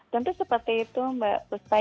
tentu seperti itu mbak